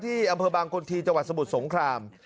อำเภอบางคนทีจังหวัดสมุทรสงคราม